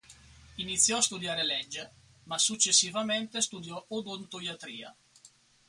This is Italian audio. Iniziò a studiare legge, ma successivamente studiò odontoiatria.